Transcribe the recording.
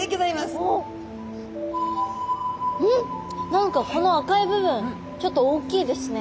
何かこの赤い部分ちょっと大きいですね。